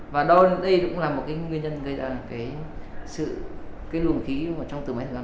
và đây cũng là một nguyên nhân gây ra sự lùm khí trong từ máy thử thăm